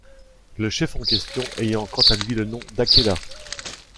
Le chef en question ayant quant à lui le nom d'Akela.